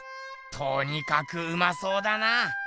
とにかくうまそうだな。